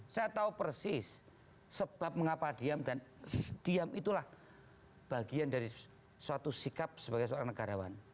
saya tahu persis sebab mengapa diam dan diam itulah bagian dari suatu sikap sebagai seorang negarawan